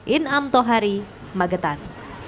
inam tohari magetan